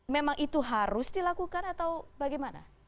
memang itu harus dilakukan atau bagaimana